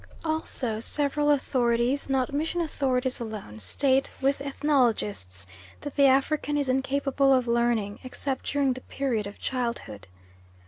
Also several authorities, not mission authorities alone, state with ethnologists that the African is incapable of learning, except during the period of childhood.